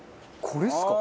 これですか？